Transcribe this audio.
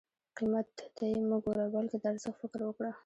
قیمت ته یې مه ګوره بلکې د ارزښت فکر وکړه.